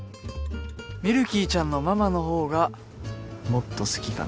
ミルキーちゃんのママのほうがもっと好きかな。